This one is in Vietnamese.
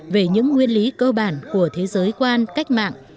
về những nguyên lý cơ bản của thế giới quan cách mạng